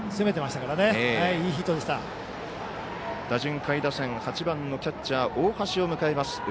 打順、下位打線、８番のキャッチャー、大橋を迎えます。